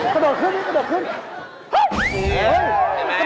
กระโดดขึ้น